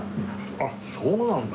あっそうなんだ。